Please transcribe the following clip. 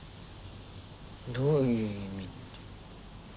どういう意味って。